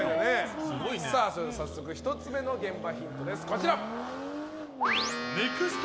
早速、１つ目の現場ヒントです。